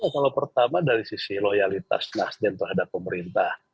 kalau pertama dari sisi loyalitas nasdem terhadap pemerintah